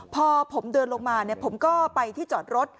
พอผมเดินลงมาผมก็ไปที่จอดรถ